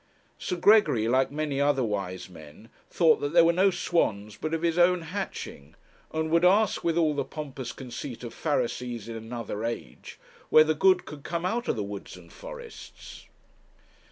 Sir Gregory, like many other wise men, thought that there were no swans but of his own hatching, and would ask, with all the pompous conceit of Pharisees in another age, whether good could come out of the Woods and Forests?